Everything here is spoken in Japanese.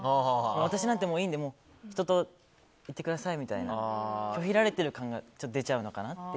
私なんていいんで人と行ってくださいみたいな拒否されている感じが出ちゃうのかなと。